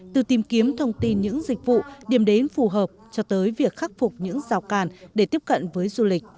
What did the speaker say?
từ tìm kiếm thông tin những dịch vụ điểm đến phù hợp cho tới việc khắc phục những rào càn để tiếp cận với du lịch